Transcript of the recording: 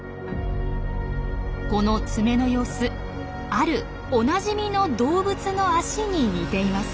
この爪の様子あるおなじみの動物の足に似ています。